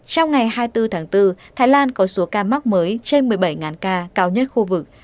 trong ngày hai mươi bốn tháng bốn thái lan có số ca mắc mới trên một mươi bảy ca cao nhất khu vực